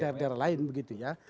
daerah daerah lain begitu ya